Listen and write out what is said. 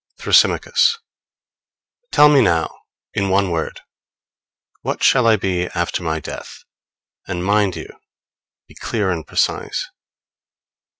Thrasymachos. Tell me now, in one word, what shall I be after my death? And mind you be clear and precise.